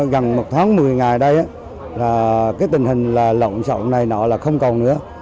gần một tháng một mươi ngày đây tình hình lộn xộn này nọ là không còn nữa